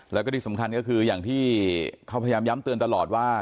แล้วก็ที่สำคัญก็คืออย่างที่เขาพยายามย้ำเตือนตลอดว่า